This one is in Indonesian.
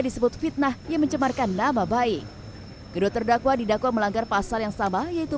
disebut fitnah yang mencemarkan nama baik kedua terdakwa didakwa melanggar pasal yang sama yaitu